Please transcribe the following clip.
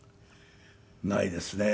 ないですね。